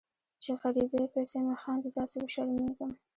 چې غریبۍ پسې مې خاندي داسې وشرمیږم